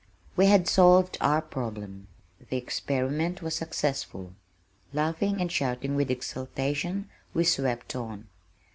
We had solved our problem. The experiment was successful. Laughing and shouting with exultation, we swept on.